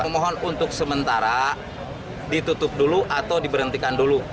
mohon untuk sementara ditutup dulu atau diberhentikan dulu